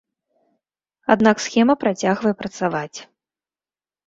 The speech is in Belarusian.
Аднак схема працягвае працаваць.